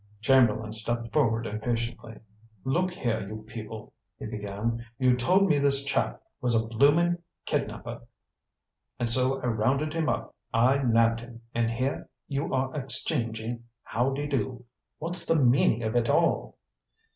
Chamberlain stepped forward impatiently. "Look here, you people," he began, "you told me this chap was a bloomin' kidnapper, and so I rounded him up I nabbed him. And here you are exchangin' howdy do. What's the meaning of it all?"